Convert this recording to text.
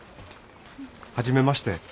初めまして。